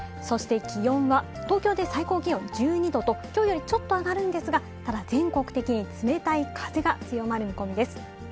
そして気温は、東京で最高気温１２度と、きょうよりちょっと上がるんですが、ただ、全国的に冷たい風が強まる見込みです。